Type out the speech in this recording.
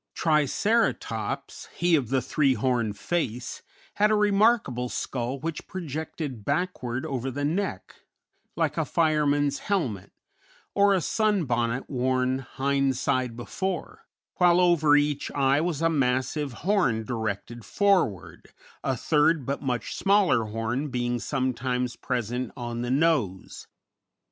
Triceratops, he of the three horned face, had a remarkable skull which projected backward over the neck, like a fireman's helmet, or a sunbonnet worn hind side before, while over each eye was a massive horn directed forward, a third, but much smaller horn being sometimes present on the nose.